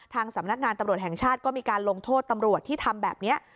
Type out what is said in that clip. สำนักงานตำรวจแห่งชาติก็มีการลงโทษตำรวจที่ทำแบบนี้